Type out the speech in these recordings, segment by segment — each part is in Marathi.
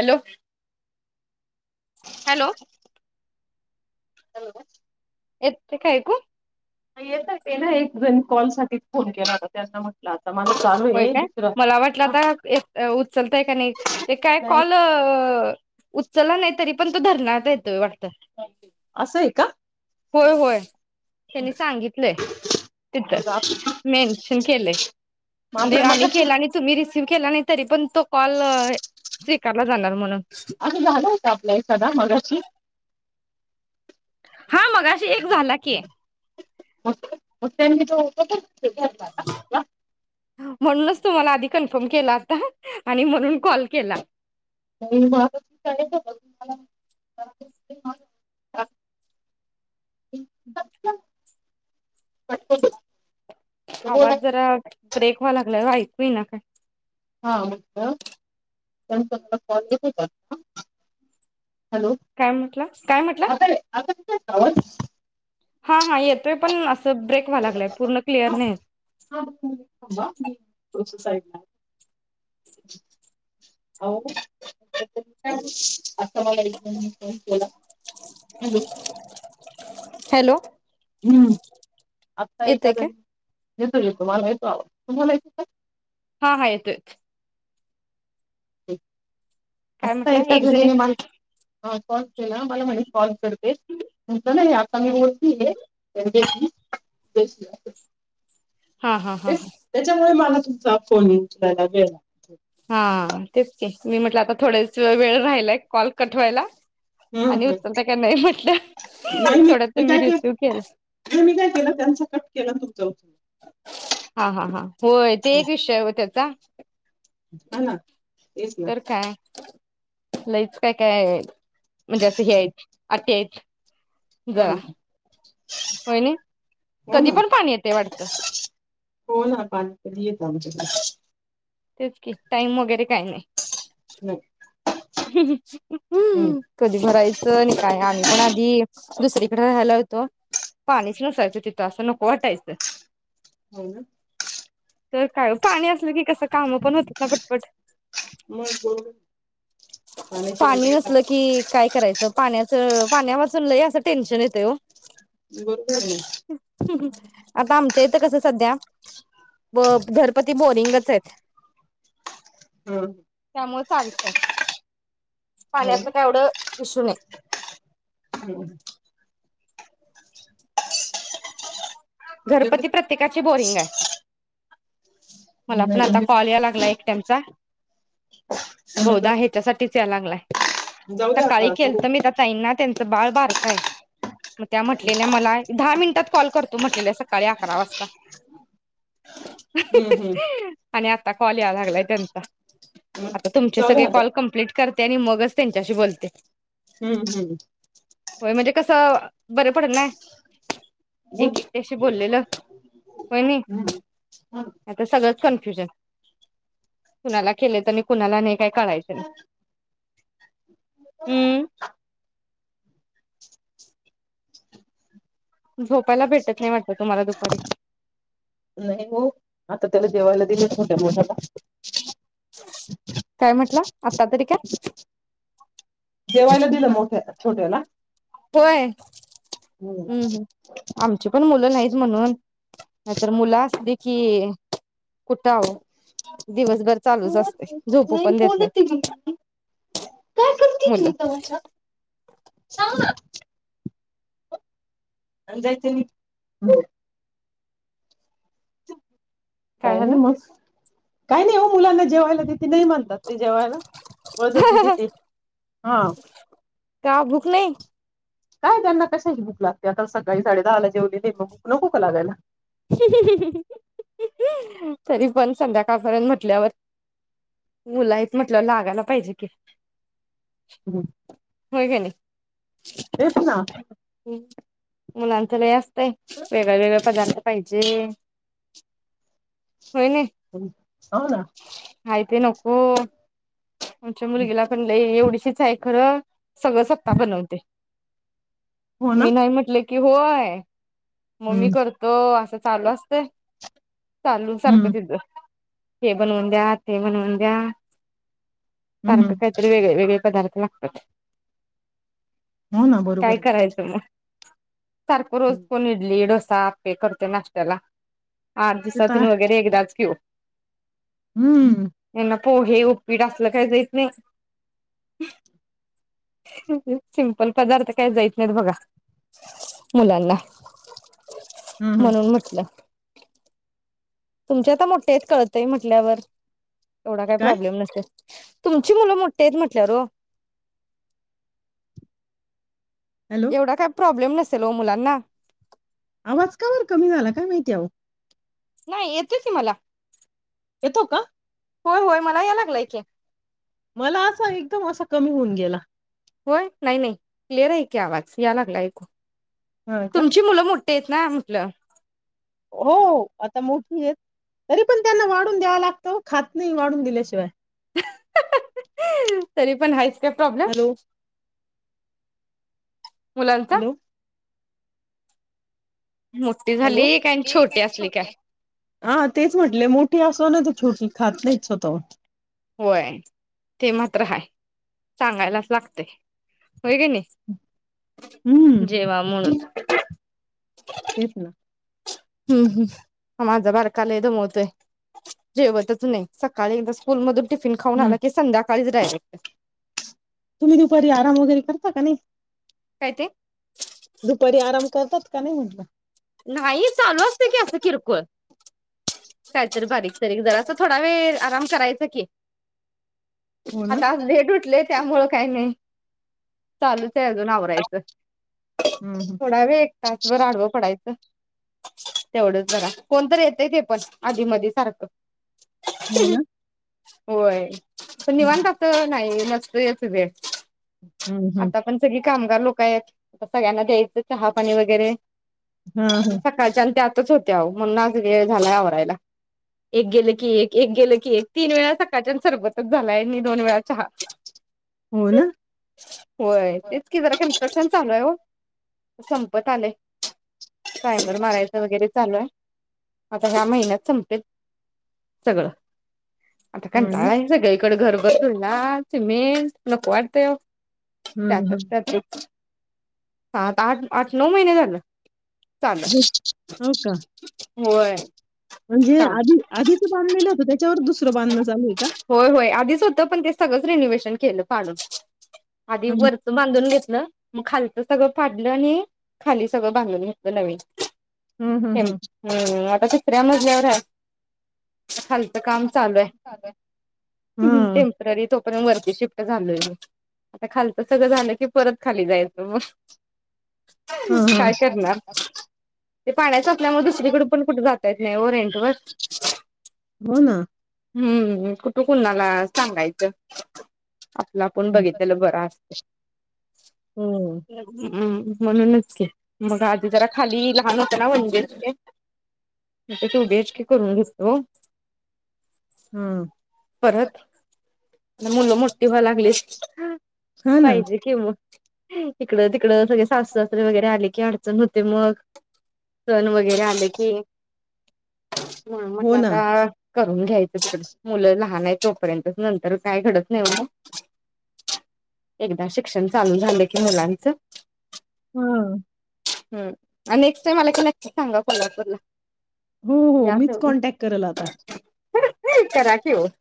Hello hello. हॅलो. येते का ऐकू? येतय ते ना एक जण कॉल साठीच फोन केला होता त्यांना म्हटलं आत होय काय मला वाटलं आता उचलता ये का नाही ते काय नाही कॉल उचला नाही तरी पण तो धरण्यात येतोय वाटत. असंय का? होय होय. त्यांनी सांगितलंय तिथ मेन्शन केल ये म्हणजे आपल्या आम्ही मगाशी केला आणि तुम्ही रिसी रिसिव्ह केला नाही तरी पण तो कॉल स्वीकारला जाणार म्हणून. असं झालं होत आपला एकादा मगाशी? हा मगाशी एक झाला की मग त्यांनी तो पक म्हणूनच तुम्हाला आधी कन्फर्म केला आता आणि म्हणून कॉल केला. [inaudible] [inaudible] तुम्हाला आवाज जरा ब्रेक व्हाय लागला ऐकू येई ना काय. [unintelligible] काय म्हटलं? काय म्हटलं? आता [inaudible] हा, हा येतोे पण असं ब्रेक व्हाय लागला ये पूर्ण क्लिअर हा नाही हा, दोन मिनिट थांबा मी येत. थोडंसं [unintelligible] हॅलो. हॅलो. हम्म आता येतय ऐका तर काय? येतो येतो मला येतो आवाज तुम्हाला येतो ये? हा हा येतो ये. [unintelligible] काय आत्ता म्हटलं एका एक जणी जण ने मला हा कोण? मला, मला म्हणे कॉल करते चांगली व्यक्ती आहे त्यांच्याशी [unintelligible] हा हा हा तेच, त्याच्या त्याच्यामुळे मला तुमचा फोन उचलायला वेळ लागतो. हां, तेच तेच मी म्हटलं आता थोडाच वेळ राहिलाय कॉल कट व्हायला. हं आणि हं उचलता का नाही म्हटलं नाही मी, थोडा मी तुम्ही काय रिसिव्ह केला केलं त्यांचा कट केला तुमचा उचलला हा हा हा. होय, ते एक विषय हो त्याचा. हा ना. तेच ना तर काय? लईच काय काय आहे. म्हणजे अस ही अ [unintelligible] ह [inaudible] जरा. हं होय ना, हो कधी ना पण पाणी येतय वाटतं? हो ना, पाणी कमी येतं आमच्या कडे. तेच कि, टाईम वगैरे काही नाही. हो. हं हं अं कधी भरायचं न काय आम्ही पण आधी दुसरीकडे राहायला होतो, पाणीच नसायचं तिथं असं नको वाटायचं. होय ना - तर काय पाणी असलं की कसं काम पण होतात ना पटपट. [unintelligible] पाण्याशिवाय पाणी काही काम नसलं की काय करायचं. पाण्या- चं पाण्यावाचून लय असं टेन्शन येतय ओ. बरोबर आहे. [inaudible] आता आमच्या इथं कसं सध्या- ब घरपती बोरिंगच आहेत. हम्. म चालतं. हा पाण्याचं काय एवढं इशू नाही. हो ना आमच्याकडे घरपती सगळं प्रत्येकाची बोरिंग आहे मला पण नाही आता आमच्याकडे कॉल या लागला एकट्यांचा बहुधा कोणाचा हितासाठी या लागला ये. जाऊ द्या सकाळी आता तो केलत मी त्या ताईंना त्यांच बाळ बारकं ये. म त्या म्हटलेल्या मला दहा मिनटात करतो म्हटलेल्या सक -काळी अकरा वाजता हम्म हम्म आणि आता कॉल यायाला लागलाय त्यांचा मग आता तुमचे जाऊ द्या सगळे आता कॉल कंप्लीट कर त्यानी आणि मगच त्यांच्याशी बोलते. हम्म हम्म होय म्हणजे कसं बर पडलं नाय. हो ना एकट्याशी बोललेलं पण नाही हम्म हो ना आता सगळंच कन्फ्युजन कुणाला केलेत आणि कुणाला नाही काय कळायचं नाही हम्म. झोपायला भेटत नाही वाटत तुम्हाला दुपारी. नाही हो आता त्याला जेवायला दिले मोठ्या मोठ्या मुलाला. काय म्हटला आता तरी काय जेवायला दिलं मोठ्या छोट्याला होय हम्म हम्म आमची पण मुलं नाहीच म्हणून नाही तर मुलं असती की कुठ अहो. दिवसभर चालूच असते झोपू पण देत नाहीत मुलं. [inaudible] [unintelligible] [unintelligible] काय नाय मस काही नाही ओ मुलांना जेवायला दे ती नही म्हणतात ते जेवायला बळजबरी दिते हा. का भूक नई? काय त्यांना कशाची भुक लागते आता सकाळी साडे दहाला जेवलेलेय ते मग भुक नको का लागायला. [unintelligible] तरी पण संध्याकाळपर्यंत म्हटल्यावर मुल आहेत म्हटल्यावर लागायला पाहिजे कि हम्म. होय ग नी. तेच ना ह मुलांच लइ अस ते वेगळ वेगळ पदार पाहिजे होय ने. हो ना ते नको आमच्या मुलगीला पण लई एवढीशी च आये खर सगळ सत्ता बनवते. हो मी ना नाई म्हटले कि होय? मग मी हम्म करतो -अस चालू असतय हम्म [unintelligible] हे बनवून द्या ते बनवून द्या- सारख हम्म काहीतरी वेगळ वेगळ पदार्थ लागत्यात हो ना बरोबर काय आहे करायच म? सारख रोज हं. कोन इडली डो आपे करतो नाश्त्याला आठ ते तर दिवसातून आहे. वगेरे एकदाच की ओ. हम्म. यांना पोहे उप्पीट असल काई देत नाई - सिंपल पदार्थ काई द्याचं नायीत बघा मुलांना- हम्म हम्म. म्हणून म्हटल- तुमचे आता मोट्टे आयेत कळतय म्हटल्यावर एवढा कायी काय प्रॉब्लेम नसतो तुमची मुलं मोठी आहेत म्हटल्यावर ओ. हॅलो एवढा काय प्रॉब्लेम नस - नसेल ओ मुलांना. आवाज काबर कमी झाला? काय माहिती आहो. नाही येतोय की मला. येतो का? होय होय मला याय लागलाय की. मला असा, एकदम असा कमी होऊन गेला. होय, नाही नाही क्लिअर आहे की आवाज या लागला. हा का तुमची मुलं मो तेेच ना [unintelligible] हो आता मोठी आहेत. तरी पण त्यांना वाढून द्यावा लागत ओ. खात नाही वाढून दिल्याशिवाय. तरी पण हायच. काय प्रॉब्लेम? हॅलो मुलांचा हॅलो मोठी हॅलो. झाली काय आणि छोटी असली काय हा तेच म्हटले मोठ मोठी असो नाही तर छोटी खात नाहीत स्वतःहून. होय ते मात्र हाय सांगायलाच लागते होय की नाही. हम्म जेवा म्हणून. तेच ना. हम्म हम माझा बारका लई दमवतोय. जेवतच नाही सकाळी एकदा स्कूल मधू टिफिन खाऊण हम्म आला की संध्याकाळी काळीच डायरेक्ट तुम्ही दुपारी आराम वगैरे करता का नाही. काय ते दुपारी आराम करतात का नाही म्हटलं. नाही चालू असते की असं किरकोळ. काहीतरी बारीक सारीक जरा अस थोडा वेळ काम करायचं की. हो ना आता आज लेट उठले. त्यामुळ काही नाही. चालूच आहे अजून आवरायचं. हम्म थोडा वेळ एक तासभर आडवं पडायचं. तेवढंच बघा कोणतरी येतंय ते पण आधी मधी सारखं. हो ना. होय. हं, निवांत असं नाही. नसतो येत वेळ हम्म हम्म आता पण सगळी कामगार लोक आहेत, सगळ्यांना द्यायचं चहापाणी वगैरे. हां, हां. सकाळच्याला त्यात होतोच आहो म्हणुन आज वेळ झालाय आवरायला, एक गेलं की एक एक गेलं की एक तीन वेळा सकाळच्या सरबतच झालाय आणि दोन वेळा चहा हो ना? होय तेच कि जरा कन्स्ट्रक्शन चालू आहे हो. संपत आलय. सायबर मारायचं वगैरे चालू आहे. आता ह्या महिन्यात संपतय सगळं. आता हां ना. कंटाळा येतो ग. घरभर चुना, सिमेंट नको वाटतंय हो. हं, त्यातच हं. त्यातून सात आठ, आठ नऊ महिने झाले. हो का. आहे होय. म्हणजे काम आधी आधीच बांधलेलं होतं त्याच्यावर दुसर दुसरं बांधन चालूये. होय होय आधीच होतं पण ते सगळंच रिनोव्हेशन केलं पाडून. आधी हं, वरच बांधून घेत. मग खालच सगळं पाडलं आणि खाली सगळं बांधून घेतलं नवीन. हं, हं, हम् हं. हम् आता दुसऱ्या मज एवढं खाल आता काम चालू आहे. हम् हम टेम्पररी तोपर्यंत वरती शिफ्ट झालोय आता खालच सगळं झालं की परत खाली जायचं मग हां, हां. काय करणार. ते पाण्याच त्यामुळे दुसरीकडे पण कुठे जात त्या ठेव रेंजवर. हो ना. हम्म. कुठ कुणाला सांगायच. आपल आपण हं, बघितलेल बर असतय. हो. लग्न. ह म्हणूनच घ्या. मग आधी जरा खाली लहान होताना म्हणजे टू बी एच के करून घेतलं. हां. मुलं मोठी व्हायला लागली हां ना. पाहिजे की मग. इकडं तिकड सगळे सासर सासरे वगैरे आले की अडचण होते मग, सण वगैरे आले की. ह हो म्हटलं ना. आता करून घ्यायचं [unintelligible] मुलं लहान आहे तोपर्यंत नंतर काय घडत नाही मग, एकदा शिक्षण चालू झालं की मुलांच हं हम्, नेक्स्ट टाइम आला क नक्की सांगा कोल्हापूरला. हो -हो या मीच तुम्ही. कॉन्टॅक्ट करल आता. [unintelligible] करा. [unintelligible]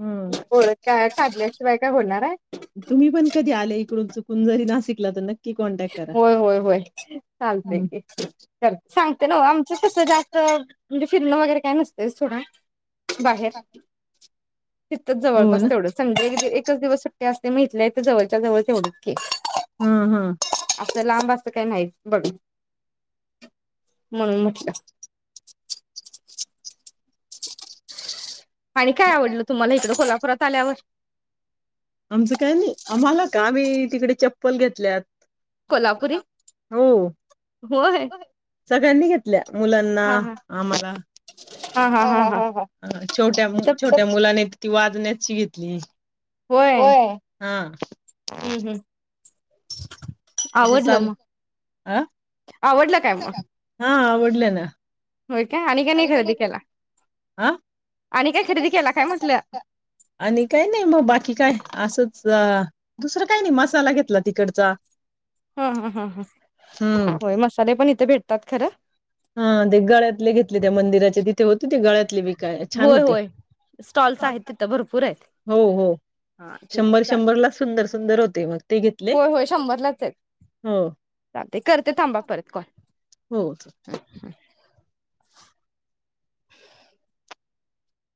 हम, ओळख काढल्याशिवाय काय होणार आहे तुम्ही पण कधी आले इकडून चुकून जरी नासिक [unintelligible] होय, होय, होय, चालतय हं. की, कर सांगते न आमचं कस जास्त फिरणं वगैरे काय नसतय सोडा. बाहेर. तिथच हो जवळपास ना? तेवढं [unintelligible] एकच दिवस सुट्टी. ते असते मी इथल्या इथ जवळच्या जवळ तेवढीच की, हम्म हम्म लांब अस काही नाहीच बघ, म्हणून म्हटलं. [unintelligible] आणि काय आवडलं तुम्हाला इकड कोल्हा परत आल्यावर आमचं काय नाही, आम्हाला का, आम्ही तिकडे चप्पल घेतल्यात. कोल्हापुरी [unintelligible] हो होय [unintelligible] सगळ्यांनी घेतल्या मुलांना, हा हा आम्हाला, हा हा हा हा [unintelligible] छोट्या मु तिथं छोट्या मुलाने ती वाजण्याची घेतली. व्हय. हां. हं हं [unintelligible] तसं आवडलं चाल मग, अ आवडलं काय मग? हा आवडलं ना. होय काय आणि काय नाही खरेदी [unintelligible] केला आणि काय खरेदी केला काय म्हटलं आणि काही नाही मग बाकी काय असंच आ दुसरं काही नाही, मसाला घेतला तिकडचा. हा, हा, हा, हा, हम्म होय मसाले पण येतं ते भेटतात खरं? हा, ते गळ्यातले घेतले, त्या मंदिराच्या तिथ ती होती ती गळ्यात किव्ही काय छान होय होते. होय स्टॉल्स आहेत तिथं भरपूर आहेत हो हो हा ठीक आहे शंभर, चालते शंभरला सुंदर, सुंदर होते. [unintelligible] होय, होय शंभरलाच आहे. हो चालते, करते थांबा परत कॉल. हो. [unintelligible]